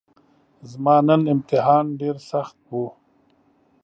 زما نن امتحان ډیرسخت وو